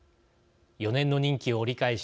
４年の任期を折り返し